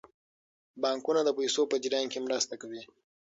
بانکونه د پیسو په جریان کې مرسته کوي.